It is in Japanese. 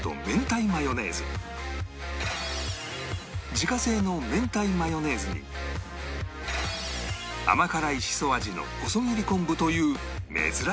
自家製の明太マヨネーズに甘辛いしそ味の細切り昆布という珍しい組み合わせ